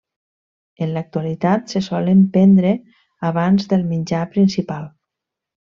En l'actualitat se solen prendre abans del menjar principal.